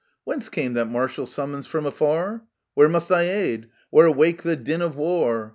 Whence came that martial summons from afar ? Where must I aid? where wake the din of war?